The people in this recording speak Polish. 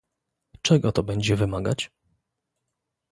Czego to będzie wymagać?